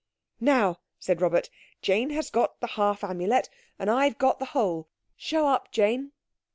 "Now," said Robert, "Jane has got the half Amulet and I've got the whole. Show up, Jane."